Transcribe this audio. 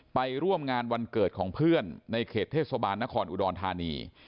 ไปร่วมงานวันเกิดของเพื่อนในเขตเทศบาลนครอุดรธานี